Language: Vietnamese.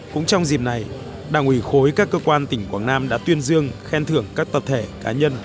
cũng trong dịp này đảng ủy khối các cơ quan tỉnh quảng nam đã tuyên dương khen thưởng các tập thể cá nhân